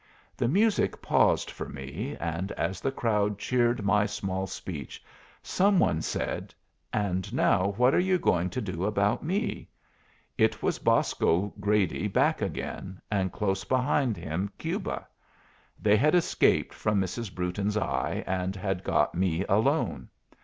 The music paused for me, and as the crowd cheered my small speech, some one said, "And now what are you going to do about me?" It was Bosco Grady back again, and close behind him Cuba. They had escaped from Mrs. Brewton's eye and had got me alone.